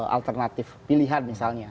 alternatif pilihan misalnya